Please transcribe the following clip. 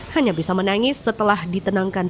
hanya bisa menangis setelah ditenangkan